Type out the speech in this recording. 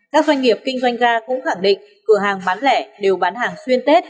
các doanh nghiệp kinh doanh ga cũng khẳng định cửa hàng bán lẻ đều bán hàng xuyên tết